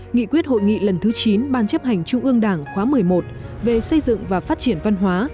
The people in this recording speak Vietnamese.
nghị quyết hội nghị lần thứ chín ban chấp hành trung ương đảng khóa một mươi một về xây dựng và phát triển văn hóa